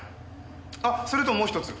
あっそれともう一つ。